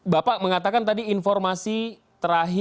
bapak mengatakan tadi informasi terakhir